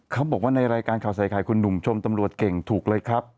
เขาบอกว่าในรายการข่าวใส่ไข่คุณหนุ่มชมตำรวจเก่งถูกเลยครับ